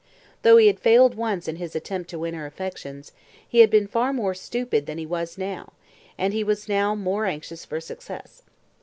Though he had failed once in his attempt to win her affections, he had been far more stupid than he was now, and he was now more anxious for success.